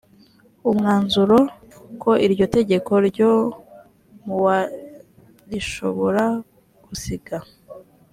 umwanzuro ko iryo tegeko ryo mu wa rishobora gusiga